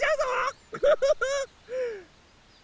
ウフフフ！